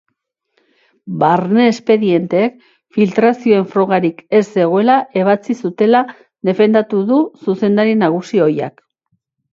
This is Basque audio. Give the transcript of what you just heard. Barne espedienteek filtrazioen frogarik ez zegoela ebatzi zutela defendatu du zuzendari nagusi ohiak.